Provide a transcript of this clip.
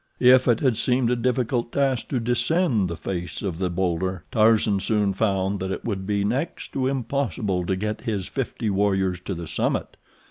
If it had seemed a difficult task to descend the face of the bowlder, Tarzan soon found that it would be next to impossible to get his fifty warriors to the summit.